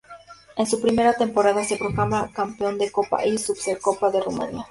En su primera temporada se proclama campeón de Copa y de Supercopa de Rumanía.